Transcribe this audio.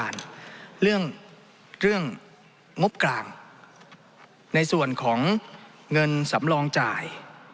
เรื่องเรื่องงบกลางในส่วนของเงินสำรองจ่าย